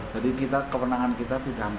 jadi kewenangan kita